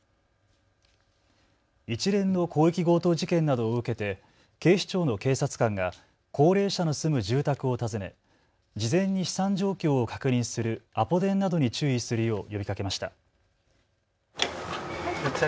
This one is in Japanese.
一連の広域強盗事件などを受けて警視庁の警察官が高齢者の住む住宅を訪ね、事前に資産状況を確認するアポ電などに注意するよう呼びかけました。